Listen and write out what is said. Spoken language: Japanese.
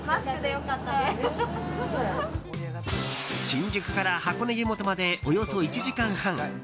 新宿から箱根湯本までおよそ１時間半。